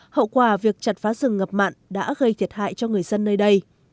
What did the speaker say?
hậu quả việc chặt phá rừng ngập mặn đã gây thiệt hại cho người dân nơi đây